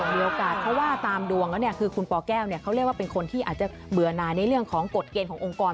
มีโอกาสเพราะว่าตามดวงแล้วเนี่ยคือคุณปแก้วเขาเรียกว่าเป็นคนที่อาจจะเบื่อหนาในเรื่องของกฎเกณฑ์ขององค์กร